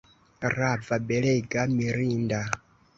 Rava, belega, mirinda!